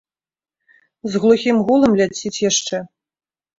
З глухім гулам ляціць яшчэ.